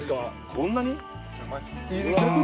こんなに？